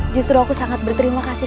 justru aku sangat berterima kasih